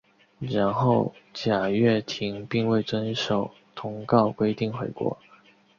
然而贾跃亭并未遵守通告规定回国。